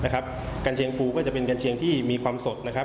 กัญเชียงปูก็จะเป็นกัญเชียงที่มีความสดนะครับ